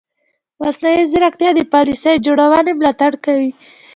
مصنوعي ځیرکتیا د پالیسي جوړونې ملاتړ کوي.